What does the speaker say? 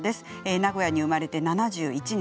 名古屋に生まれて７１年。